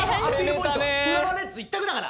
ポイントは浦和レッズ一択だから。